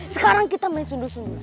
sekarang kita main sundur sundur